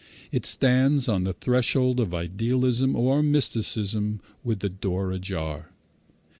It stands on the threshold of idealism or mysticism with the door ajar.